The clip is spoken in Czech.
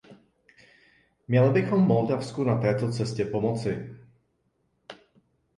Měli bychom Moldavsku na této cestě pomoci.